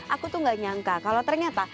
aku tuh gak nyangka kalau ternyata